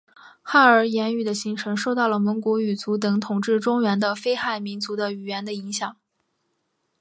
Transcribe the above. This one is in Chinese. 汉儿言语的形成受到了蒙古语族等统治中原的非汉民族的语言的影响。